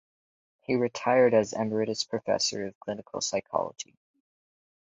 He retired as Emeritus Professor of Clinical Psychology.